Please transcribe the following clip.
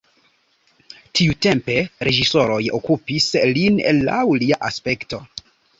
Tiutempe reĝisoroj okupis lin laŭ lia aspekto.